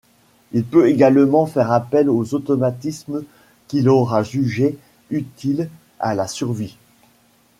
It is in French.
Il peut également faire appel aux automatismes qu’il aura jugé utiles à la survie.